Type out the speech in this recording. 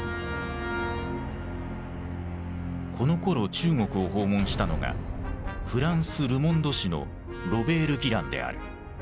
このころ中国を訪問したのがフランス「ル・モンド」紙のロベール・ギランである。